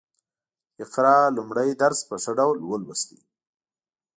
اقرا لومړی درس په ښه ډول ولوست